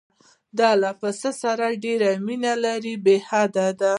ده له پسه سره ډېره مینه لرله بې حده.